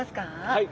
はい。